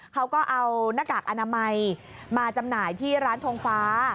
เขาก็เอาหน้ากากอนามัยมาจำหน่ายที่ร้านทงฟ้า